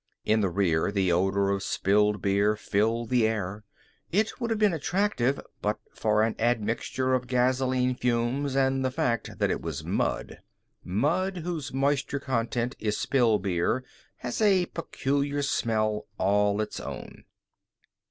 In the rear, the odor of spilled beer filled the air. It would have been attractive but for an admixture of gasoline fumes and the fact that it was mud. Mud whose moisture content is spilled beer has a peculiar smell all its own.